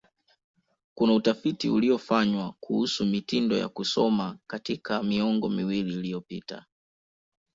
Kuna utafiti uliofanywa kuhusu mitindo ya kusoma katika miongo miwili iliyopita.